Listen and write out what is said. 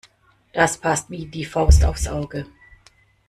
Das passt wie die Faust aufs Auge.